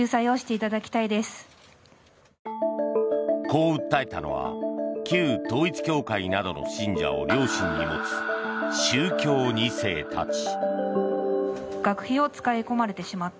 こう訴えたのは旧統一教会などの信者を両親に持つ、宗教２世たち。